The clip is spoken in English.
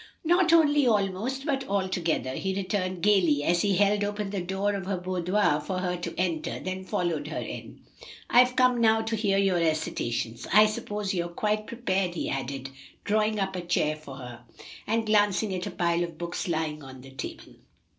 "Not only almost, but altogether," he returned gayly as he held open the door of her boudoir for her to enter, then followed her in. "I've come now to hear your recitations. I suppose you are quite prepared," he added, drawing up a chair for her, and glancing at a pile of books lying on the table.